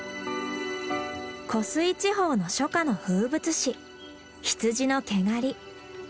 湖水地方の初夏の風物詩羊の毛刈り。